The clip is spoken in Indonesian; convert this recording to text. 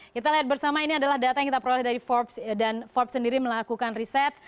kita lihat bersama ini adalah data yang kita peroleh dari forbes dan forbes sendiri melakukan riset